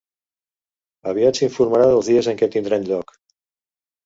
Aviat s’informarà dels dies en que tindran lloc.